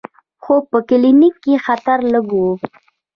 خو په کلینیک کې خطر لږ و.